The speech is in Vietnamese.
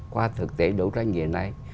qua thực tế đấu tranh nghề này